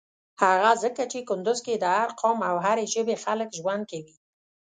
هغه ځکه چی کندوز کی د هر قام او هری ژبی خلک ژوند کویی.